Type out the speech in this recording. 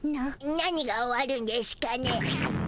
何が終わるんでしゅかね？